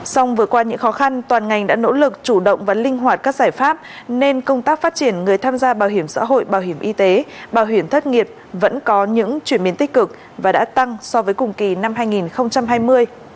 song vượt qua những khó khăn toàn ngành đã nỗ lực chủ động và linh hoạt các giải pháp nên công tác phát triển người tham gia bảo hiểm xã hội bảo hiểm y tế bảo hiểm thất nghiệp vẫn có những chuyển biến tích cực và đã tăng so với cùng kỳ năm hai nghìn hai mươi